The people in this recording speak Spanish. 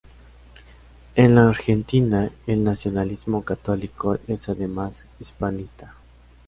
En la Argentina el nacionalismo católico es además hispanista.